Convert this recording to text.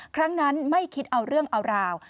ครั้งนั้นไม่คิดเอาเรื่องเอาราว